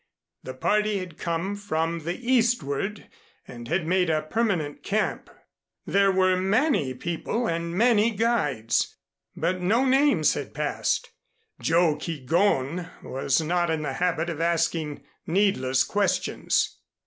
The party had come from the eastward, and had made a permanent camp; there were many people and many guides, but no names had passed. Joe Keegón was not in the habit of asking needless questions.